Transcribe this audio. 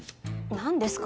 何ですか？